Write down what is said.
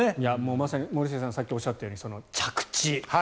まさに森末さんがさっきおっしゃったように着地。